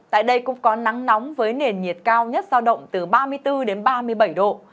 tại đây cũng có nắng nóng với nền nhiệt cao nhất giao động từ ba mươi bốn đến ba mươi bảy độ